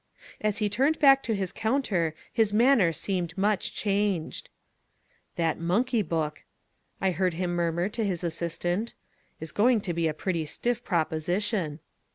As he turned back to his counter his manner seemed much changed. "That Monkey book," I heard him murmur to his assistant, "is going to be a pretty stiff proposition."